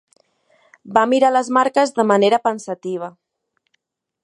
Va mirar les marques de manera pensativa.